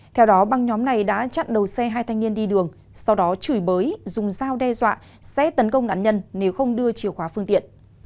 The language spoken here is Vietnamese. theo đó băng nhóm này đã chặn đầu xe hai thanh niên đi đường sau đó chửi bới dùng dao đe dọa sẽ tấn công nạn nhân nếu không đưa chìa khóa phương tiện